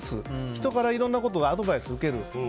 人からいろんなことをアドバイスを受ける。